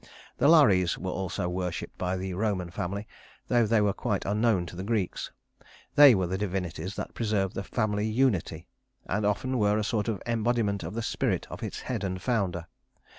The Lares were also worshiped by the Roman family, though they were quite unknown to the Greeks. They were the divinities that preserved the family unity, and often were a sort of embodiment of the spirit of its head and founder.